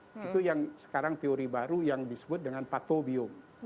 itu yang sekarang teori baru yang disebut dengan patobium